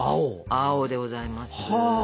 青でございます！は。